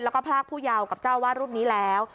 แล้วก็พรากผู้เยาว์กับเจ้าวาดรูปนี้แล้ว